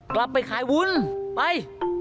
กลับไปขายวุ้นไป